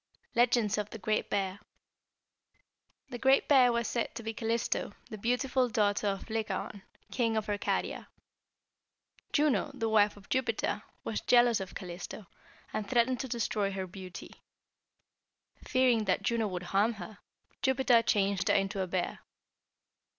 LEGENDS OF THE GREAT BEAR. "The Great Bear was said to be Calisto, the beautiful daughter of Lycaon, king of Arcadia. Juno, the wife of Jupiter, was jealous of Calisto, and threatened to destroy her beauty. Fearing that Juno would harm her, Jupiter changed her into a bear.